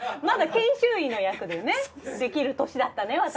まだ研修医の役でねできる歳だったね